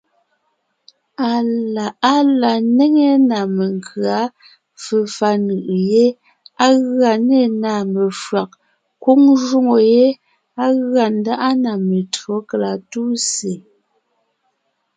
Á la néŋe ná menkʉ̌a, fefà nʉʼʉ yé, á gʉa nê na mefÿàg, kwóŋ jwóŋo yé á gʉa ńdáʼa na metÿǒ kalatúsè.